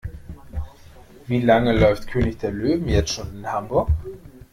Wie lange läuft König der Löwen jetzt schon in Hamburg?